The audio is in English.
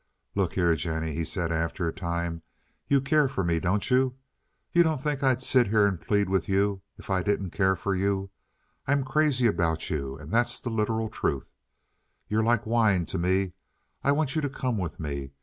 "Look here, Jennie," he said, after a time. "You care for me, don't you? You don't think I'd sit here and plead with you if I didn't care for you? I'm crazy about you, and that's the literal truth. You're like wine to me. I want you to come with me.